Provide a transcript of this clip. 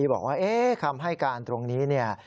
บอกว่าคำให้การตรงนี้เนี่ย